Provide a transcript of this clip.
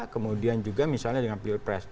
kemudian juga misalnya dengan pilpres